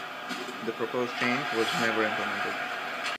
The proposed change was never implemented.